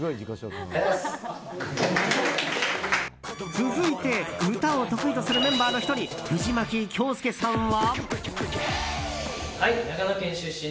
続いて歌を得意とするメンバーの１人藤牧京介さんは。